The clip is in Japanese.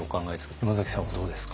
山崎さんはどうですか？